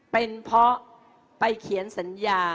เป็นเพราะไปเขียนสัญญา